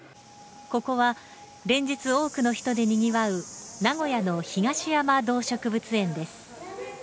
ここは連日多くの人でにぎわう名古屋の東山動植物園です。